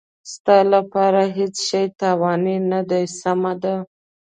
ستا لپاره هېڅ شی تاواني نه دی، سمه ده.